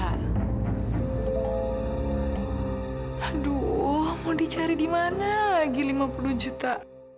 aduh mau dicari di mana lagi lima puluh juta